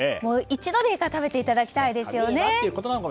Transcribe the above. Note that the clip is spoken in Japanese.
一度でいいから食べていただきたいですよね。